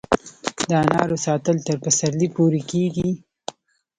د انارو ساتل تر پسرلي پورې کیږي؟